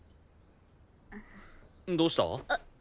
どうした？